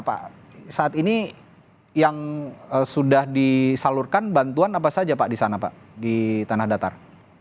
pak saat ini yang sudah disalurkan bantuan apa saja pak di sana pak di tanah datar